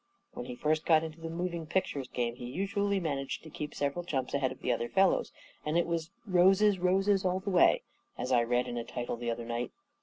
When he first got into the moving picture game he usually managed to keep several jumps ahead of the other fellows, and it was " roses, roses, all the way," as I read in a title the other night.